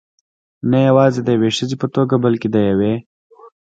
نه یوازې د یوې ښځې په توګه، بلکې د یوې .